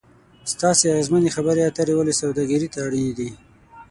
ستاسې اغیزمنې خبرې اترې ولې سوداګري ته اړینې دي ؟